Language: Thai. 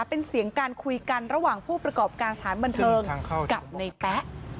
เป็นเสียงการคุยกันระหว่างผู้ประกอบการสถานบันเทิงกับในแป๊ะ